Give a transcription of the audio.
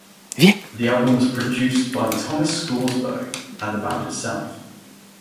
The album was produced by Tomas Skogsberg and the band itself.